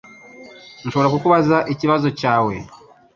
Nshobora kukubaza ikibazo cyawe?